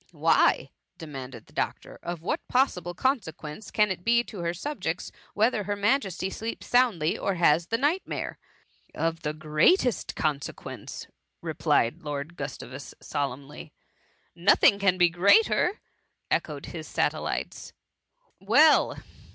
" Why ?■" demanded the doctor ;" of what possible consequence can it be to her subjects, whether her Majesty sleeps soundly or has the night mare ?*"" Of the greatest consequence,' replied Lord Gustavus solemnly. " Nothing can be greater \'^ echoed his sa tellites. Well